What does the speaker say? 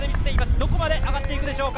どこまで上がっていくでしょうか。